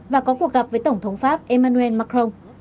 và có cuộc gặp với tổng thống pháp emmanuel macron